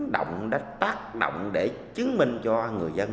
động tác động để chứng minh cho người dân